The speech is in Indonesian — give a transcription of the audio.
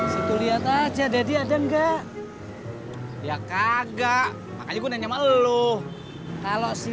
si tu lihat aja dedy ada enggak ya kagak makanya gue nanya sama lu kalau si